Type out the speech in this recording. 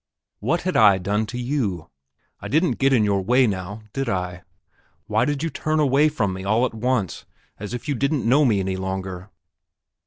What had I done to you? I didn't get in your way, now, did I? Why did you turn away from me all at once, as if you didn't know me any longer?